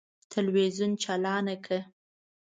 تلویزون چالانه کړه!